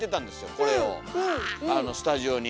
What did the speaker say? これをスタジオに。